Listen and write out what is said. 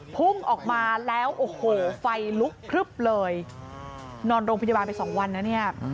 พุ่งออกมาแล้วโอ้โหไฟลุกพลึบเลยนอนโรงพยาบาลไปสองวันนะเนี่ย